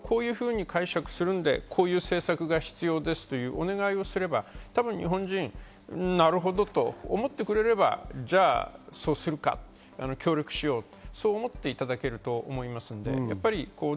こういうデータをこういうふうに解釈するのでこういう政策が必要ですというお願いをすれば日本人はなるほどと思ってくれれば、じゃあそうするか、協力しようと思っていただけると思います。